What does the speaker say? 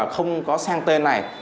không có sang tên này